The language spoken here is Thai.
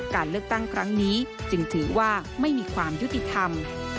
การเลือกตั้งครั้งนี้จึงถือว่าไม่มีความยุติธรรม